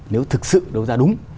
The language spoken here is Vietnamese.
nếu thực sự đấu giá đúng